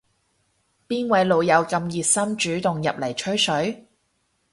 邊位老友咁熱心主動入嚟吹水